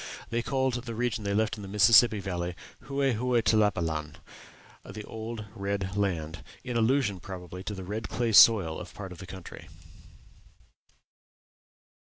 They called the region they left in the Mississippi Valley "Hue Hue Tlapalan" the old, old red land in allusion, probably, to the red clay soil of part of the country.